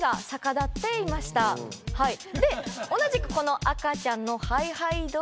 で同じくこの赤ちゃんの。